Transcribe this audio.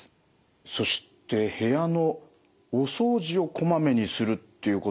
そして部屋のお掃除をこまめにするということ。